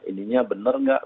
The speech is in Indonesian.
ininya benar nggak